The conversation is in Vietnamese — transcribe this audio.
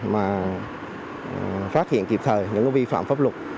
mà phát hiện kịp thời những vi phạm pháp luật